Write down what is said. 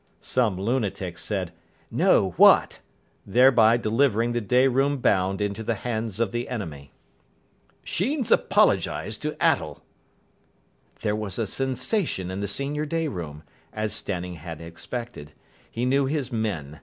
Some lunatic said, "No. What?" thereby delivering the day room bound into the hands of the enemy. "Sheen's apologised to Attell." There was a sensation in the senior day room, as Stanning had expected. He knew his men.